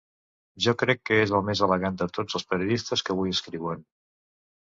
Jo crec que és el més elegant de tots els periodistes que avui escriuen.